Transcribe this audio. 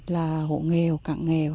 là hộ nghèo cặn nghèo